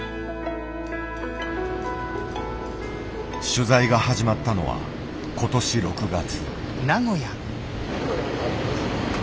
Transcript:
取材が始まったのは今年６月。